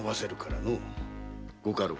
ご家老。